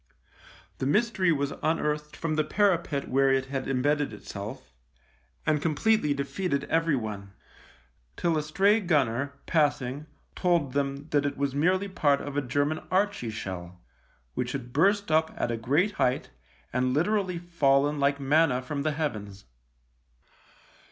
The mystery was un THE LIEUTENANT 29 earthed from the parapet where it had embedded itself, and completely defeated everyone; till a stray gunner, passing, told them that it was merely part of a German Archie shell — which had burst up at a great height and literally fallen like manna from the heavens.